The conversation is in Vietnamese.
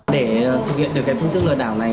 để thực hiện được cái phương thức lừa đảo này